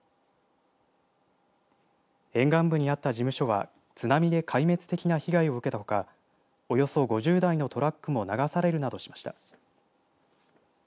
沿岸部にあった事務所は津波で壊滅的な被害を受けたほかおよそ５０台のトラックも流されるなどしました。